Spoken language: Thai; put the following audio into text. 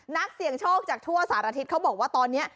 นักเสี่ยงโชคจากทั่วสารทิศเขาบอกว่าตอนนี้